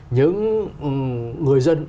những người dân